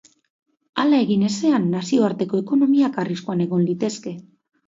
Hala egin ezean, nazioarteko ekonomiak arriskuan egon litezke.